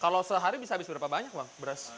kalau sehari bisa habis berapa banyak bang beras